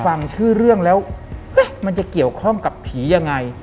ฟังชื่อเรื่องแล้วมันจะเกี่ยวข้องกับผียังไง